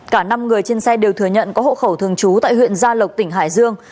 cả năm người trên xe đều thừa nhận có hộ khẩu thường trú tại huyện gia lộc tỉnh hải dương